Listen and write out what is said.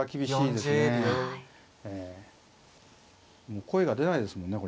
もう声が出ないですもんね